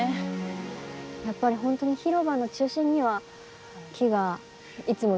やっぱり本当に広場の中心には木がいつも見守ってくれているんですね。